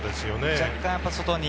若干外に。